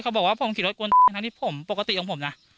บอกว่าผมขี่รถกวนตีทั้งที่ผมปกติของผมนะ